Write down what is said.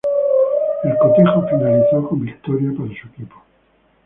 El cotejo finalizó con victoria para su equipo.